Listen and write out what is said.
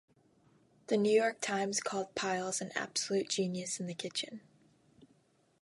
"The New York Times" called Pyles "an absolute genius in the kitchen.